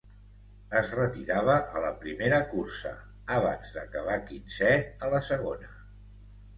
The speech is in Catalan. Es retirava a la primera cursa, abans d'acabar quinzè a la segona.